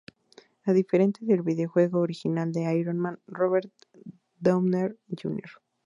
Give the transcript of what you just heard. A diferencia del videojuego original de "Iron Man", Robert Downey Jr.